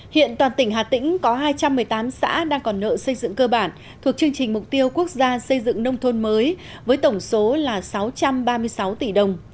hiện toàn tỉnh hà tĩnh có hai trăm một mươi tám xã đang còn nợ xây dựng cơ bản thuộc chương trình mục tiêu quốc gia xây dựng nông thôn mới với tổng số là sáu trăm ba mươi sáu tỷ đồng